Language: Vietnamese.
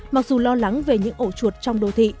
mặc dù lo lắng về những ổ chuột trong đô thị